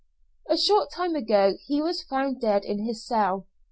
A short time ago he was found dead in his cell.